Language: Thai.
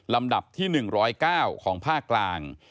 ลำดับที่๑๐๙ของภาคกลาง